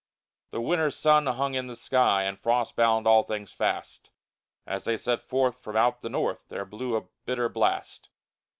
The winter sun hung in the sky And frost bound all things fast; As they set forth, from out the north, There blew a bitter blast.